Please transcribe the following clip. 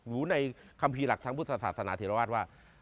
รู้ในคัมภีร์หลักทางพุทธศาสนาเทราวาสว่า